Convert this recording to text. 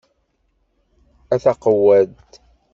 A taqewwadt!